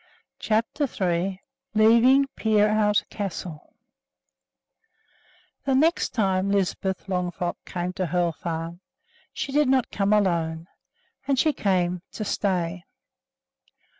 CHAPTER III LEAVING PEEROUT CASTLE The next time Lisbeth Longfrock came to Hoel Farm, she did not come alone; and she came to stay!